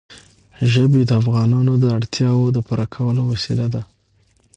ژبې د افغانانو د اړتیاوو د پوره کولو وسیله ده.